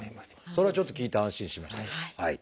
それをちょっと聞いて安心しました。